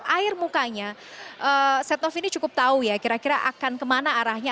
air mukanya setnov ini cukup tahu ya kira kira akan kemana arahnya